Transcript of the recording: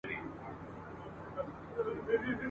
د باز له ځالې باز ولاړېږي !.